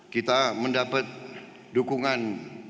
kita mendapat dukungan